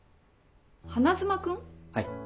はい。